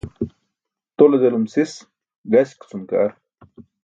Tole delum sis gaśk cum ke ar.